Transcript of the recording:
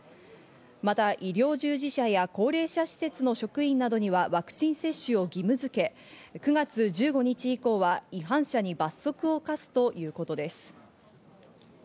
また、医療従事者や高齢者施設の職員などにはワクチン接種を義務づけ、９月１５日以降は違反者に罰則を科すということです。